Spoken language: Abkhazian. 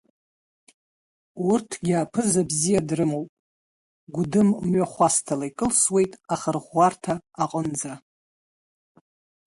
Урҭгьы аԥызао бзиа дрымоуп, Гәыдым мҩахәасҭала икылсуеит ахырӷәӷәарҭа аҟынӡа.